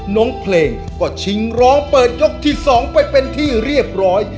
น้องเพลงก็ชิงร้องเปิดยกที่๒ไปเป็นที่เรียบร้อย